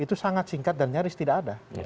itu sangat singkat dan nyaris tidak ada